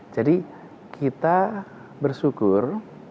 jadi kita bersyukur